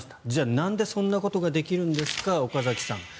じゃあ、なんでそんなことができるんですか岡崎さん。